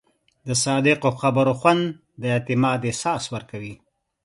د صادقو خبرو خوند د اعتماد احساس ورکوي.